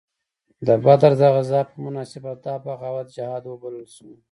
د بدر د غزا په مناسبت دا بغاوت جهاد وبلل شو.